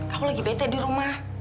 aku lagi bete di rumah